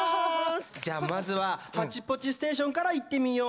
じゃあ、まずは「ハッチポッチステーション」から、いってみよう。